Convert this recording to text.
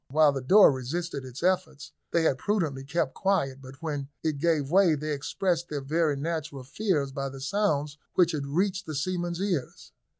While the door resisted its efforts they had prudently kept quiet, but when it gave way, they expressed their very natural fears by the sounds which had reached the seamen's ears.